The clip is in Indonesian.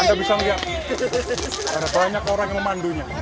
anda bisa melihat ada banyak orang yang memandunya